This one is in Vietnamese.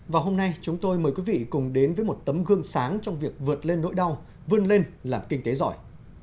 và hôm nay chúng tôi mời quý vị cùng đến với một tấm gương sáng trong việc vượt lên nỗi đau vươn lên làm kinh tế giỏi